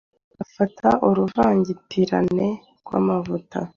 "Bafata uruvangitirane rw'amavuta